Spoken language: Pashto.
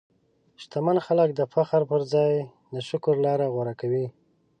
شتمن خلک د فخر پر ځای د شکر لاره غوره کوي.